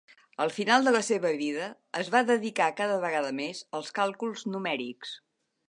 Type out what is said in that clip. Al final de la seva vida, es va dedicar cada vegada més als càlculs numèrics.